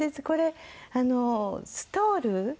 これあのストール？